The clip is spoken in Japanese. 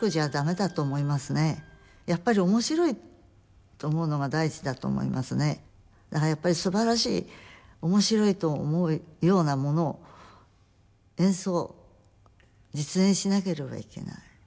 だからやっぱりすばらしい面白いと思うようなものを演奏実演しなければいけない。